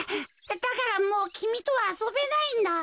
だからもうきみとはあそべないんだ。